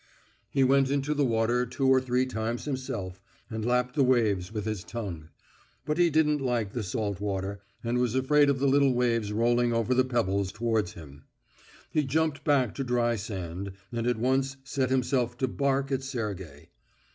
He went into the water two or three times himself, and lapped the waves with his tongue. But he didn't like the salt water, and was afraid of the little waves rolling over the pebbles towards him. He jumped back to dry sand, and at once set himself to bark at Sergey.